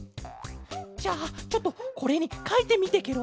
じゃあちょっとこれにかいてみてケロ。